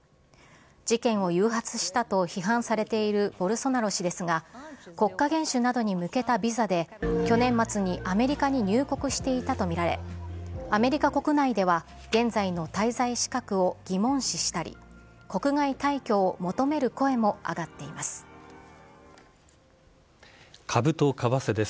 事件を誘発したと批判されているボルソナロ氏ですが、国家元首などに向けたビザで、去年末にアメリカに入国していたと見られ、アメリカ国内では、現在の滞在資格を疑問視したり、国外退去を求める声も上がっています。